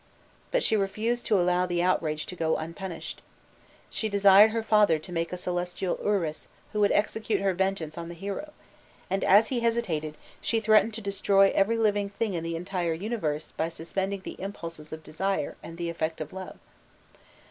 '" But she refused to allow the outrage to go unpunished. She desired her father to make a celestial urus who would execute her vengeance on the hero; and, as he hesitated, she threatened to destroy every living thing in the entire universe by suspending the impulses of desire, and the effect of love.